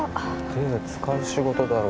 手使う仕事だろ？